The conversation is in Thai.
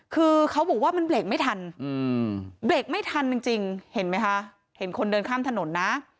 คือเขาบอกว่ามันเบรกไม่ทันเบรกไม่ทันจริงเห็นไหมคะเห็นคนเดินข้ามถนนนะ